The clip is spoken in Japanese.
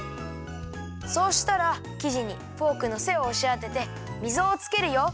そうしたらきじにフォークのせをおしあててみぞをつけるよ。